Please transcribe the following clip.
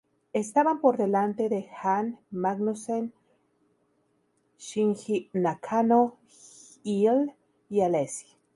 Estaban por delante de Jan Magnussen, Shinji Nakano, Hill y Alesi.